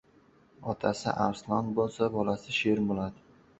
• Otasi arslon bo‘lsa, bolasi sher bo‘ladi.